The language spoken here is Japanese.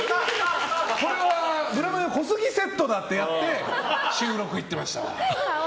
これはブラマヨ小杉セットだってやって収録行ってました。